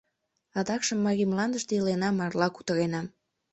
Адакшым Марий мландыште илена, марла кутырена.